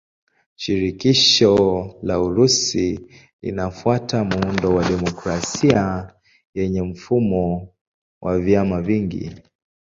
Shirikisho la Urusi linafuata muundo wa demokrasia yenye mfumo wa vyama vingi.